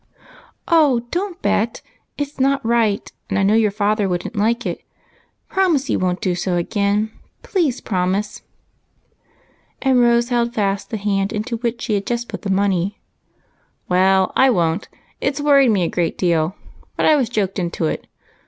" Oh, don't bet, it 's not right, and I know your father would n't like it. Promise you won't do so again, please promise !" and Rose held fast the hand into which she had just put the money. " Well, I won't. It 's worried me a good deal, but i was joked into it.